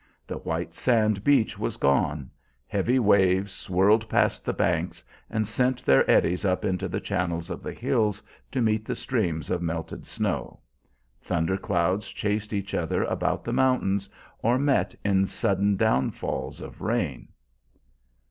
The white sand beach was gone; heavy waves swirled past the banks and sent their eddies up into the channels of the hills to meet the streams of melted snow. Thunder clouds chased each other about the mountains, or met in sudden downfalls of rain.